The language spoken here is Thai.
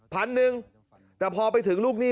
พันหนึ่งแต่พอไปถึงลูกหนี้